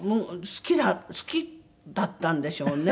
好きだったんでしょうね。